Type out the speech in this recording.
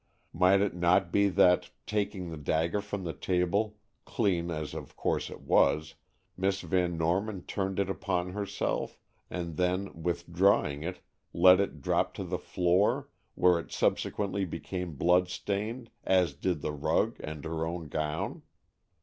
Might it not be that, taking the dagger from the table, clean as of course it was, Miss Van Norman turned it upon herself, and then, withdrawing it, let it drop to the floor, where it subsequently became blood stained, as did the rug and her own gown?"